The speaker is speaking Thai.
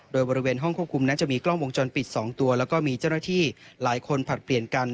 โดยบริเวณห้องควบคุมนั้นจะมีกล้องวงจรปิด๒ตัวแล้วก็มีเจ้าหน้าที่หลายคนผลัดเปลี่ยนกัน